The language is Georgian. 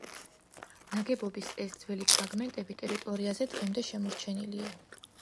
ნაგებობის ეს ძველი ფრაგმენტები ტერიტორიაზე დღემდე შემორჩენილია.